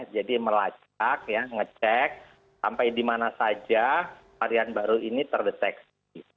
jadi melacak ngecek sampai di mana saja varian baru ini terdeteksi